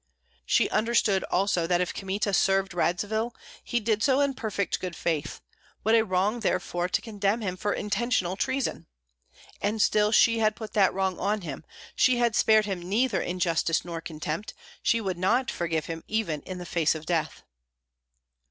She understood also that if Kmita served Radzivill he did so in perfect good faith; what a wrong therefore to condemn him for intentional treason! And still she had put that wrong on him, she had spared him neither injustice nor contempt, she would not forgive him even in the face of death.